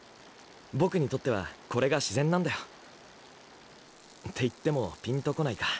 ボクにとってはこれが自然なんだよ。って言ってもピンとこないか。